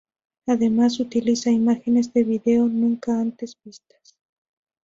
Además, utiliza imágenes de video nunca antes vistas.